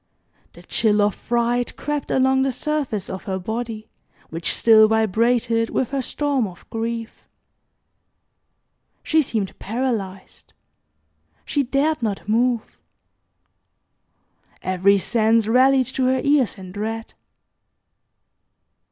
The chill of fright crept along the surface of her body, which still vibrated with her storm of grief. She seemed paralyzed. She dared not move. Every sense rallied to her ears in dread.